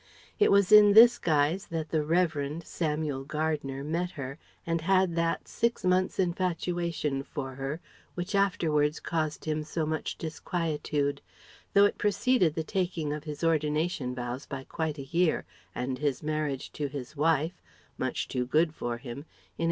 It was in this guise that the "Revd." Samuel Gardner met her and had that six months' infatuation for her which afterwards caused him so much disquietude; though it preceded the taking of his ordination vows by quite a year, and his marriage to his wife much too good for him in 1874.